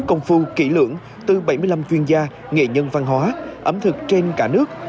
công phu kỹ lưỡng từ bảy mươi năm chuyên gia nghệ nhân văn hóa ẩm thực trên cả nước